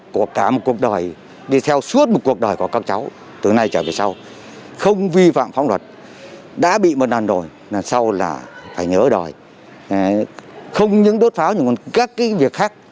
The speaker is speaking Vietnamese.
của cả một cuộc đời đi theo suốt một cuộc đời của các cháu từ nay trở về sau không vi phạm pháp luật đã bị một lần rồi đằng sau là phải nhớ đòi không những đốt pháo nhưng còn các cái việc khác